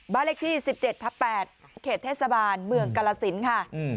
บ้านเลขที่๑๗ทับ๘เขตเทศบาลเมืองกาลสินค่ะ